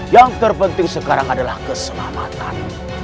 yang terpenting sekarang adalah keselamatan